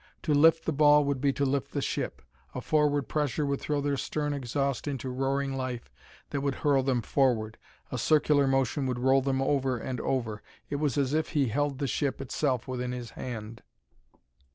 To lift the ball would be to lift the ship; a forward pressure would throw their stern exhaust into roaring life that would hurl them forward; a circular motion would roll them over and over. It was as if he held the ship itself within his hand.